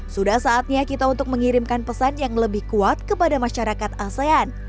sudah saatnya kita untuk mengirimkan pesan yang lebih kuat kepada masyarakat asean